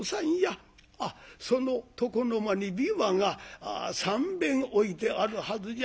あっその床の間に琵琶が３べん置いてあるはずじゃ。